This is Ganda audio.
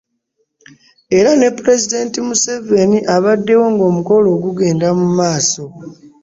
Era ne pulezidenti Museveni abaddewo ng'omukolo guganda mu maaso